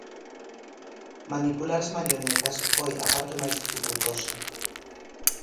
Manipular as marionetas foi a parte máis dificultosa.